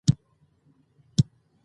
لوگر د افغانستان د ملي هویت نښه ده.